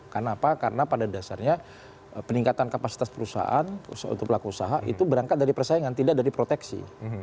karena apa karena pada dasarnya peningkatan kapasitas perusahaan untuk pelaku usaha itu berangkat dari persaingan tidak dari proteksi